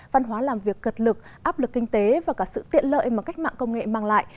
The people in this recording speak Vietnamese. văn hóa làm việc cực lực áp lực kinh tế và cả sự tiện lợi mà cách mạng công nghệ mang lại